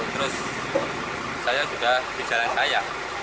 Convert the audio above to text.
terus saya juga di jalan saya